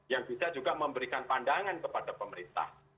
yang bisa juga memberikan pandangan kepada pemerintah